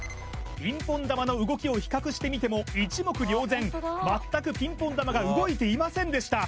ピンポン球の動きを比較してみても一目瞭然全くピンポン球が動いていませんでした